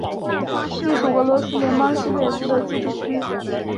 隶属俄罗斯联邦西北部联邦管区阿尔汉格尔斯克州涅涅茨自治区。